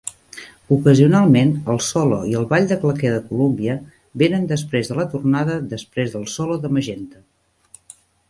Ocasionalment, el solo i del ball de claqué de Columbia venen després de la tornada després del solo de Magenta.